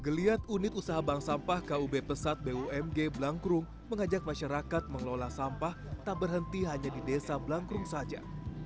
geliat unit usaha bank sampah kub pesat bumg blangkrum mengajak masyarakat mengelola sampah tak berhenti hanya di desa blangkrung saja